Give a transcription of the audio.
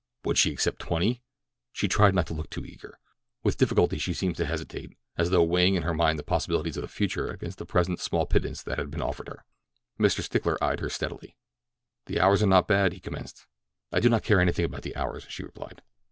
Would she accept twenty? She tried not to look too eager. With difficulty she seemed to hesitate, as though weighing in her mind the possibilities of the future against the present small pittance that had been offered her. Mr. Stickler eyed her steadily. "The hours are not bad," he commenced. "I do not care anything about the hours," she replied.